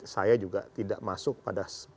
saya juga tidak masuk pada